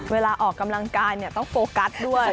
เวลาออกกำลังกายต้องโฟกัสด้วย